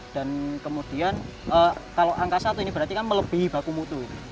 dan kemudian kalau angka satu ini berarti kan melebihi baku mutu